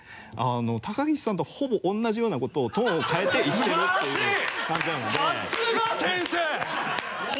高岸さんとほぼ同じようなことをトーンを変えて言ってるっていう感じなので。